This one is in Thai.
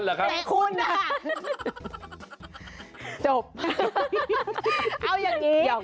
เอาอย่างนี้